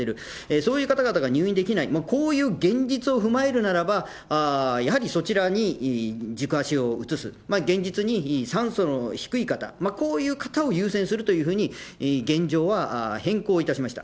そういう方々が入院できない、こういう現実を踏まえるならば、やはり、そちらに軸足を移す、現実に酸素の低い方、こういう方を優先するというふうに、現状は変更いたしました。